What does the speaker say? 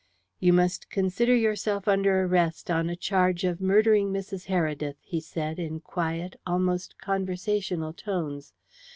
"You must consider yourself under arrest on a charge of murdering Mrs. Heredith," he said, in quiet, almost conversational tones.